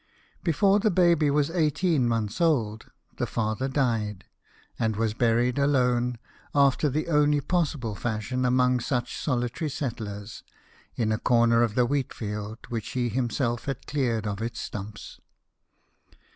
Before the baby was eighteen months old, the father died, and was buried alone, after the only possible fashion among such solitary settlers, in a corner of the wheat field which he himself had cleared of its stumps.